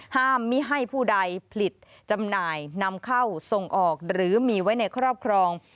มิให้ผู้ใดผลิตจำหน่ายนำเข้าส่งออกหรือมีไว้ในครอบครอง